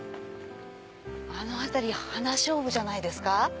あの辺りハナショウブじゃないですか？